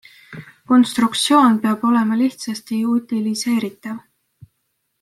Konstruktisoon peab olema lihtsasti utiliseeritav.